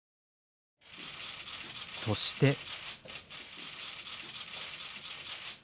そして。